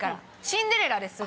『シンデレラ』です